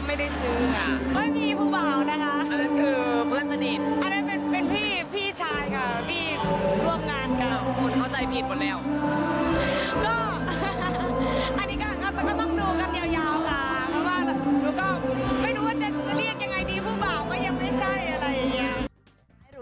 เพราะว่าไม่รู้ว่าจะเรียกยังไงดีผู้บ่าวก็ยังไม่ใช่อะไรอย่างนี้